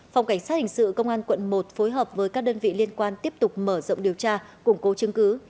phòng cảnh sát hình sự công an quận một phối hợp với các đơn vị liên quan tiếp tục mở rộng điều tra củng cố chứng cứ